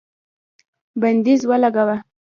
بندیز ولګاوه